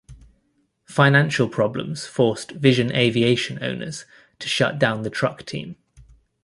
Financial problems forced Vision Aviation owners to shut down the Truck team.